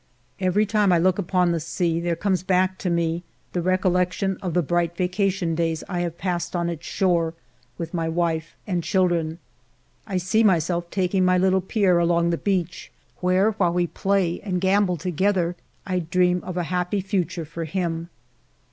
... Every time I look upon the sea there comes back to me the recollection of the bright vaca tion days I have passed on its shore with my wife and children. I see myself taking my little Pierre along the beach, where, while we play and gambol together, I dream of a happy future for him.